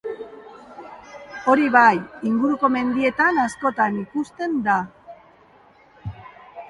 Hori bai, inguruko mendietan askotan ikusten da.